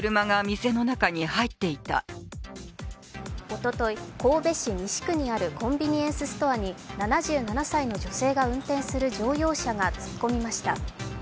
おととい、神戸市西区にあるコンビニエンスストアに７７歳の女性が運転する乗用車が突っ込みました。